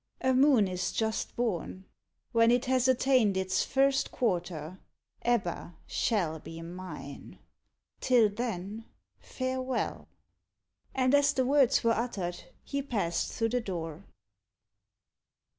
"A moon is just born. When it has attained its first quarter, Ebba shall be mine. Till then, farewell." And as the words were uttered, he passed through the door.